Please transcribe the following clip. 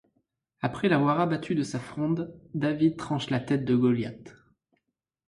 Après, l'avoir abattu de sa fronde, David tranche la tête de Goliath.